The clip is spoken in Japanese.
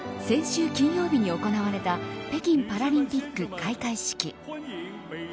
先週金曜日に行われた北京パラリンピック開会式。